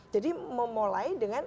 jadi memulai dengan